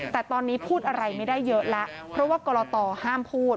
แต่ตอนนี้พูดอะไรไม่ได้เยอะแล้วเพราะว่ากรตห้ามพูด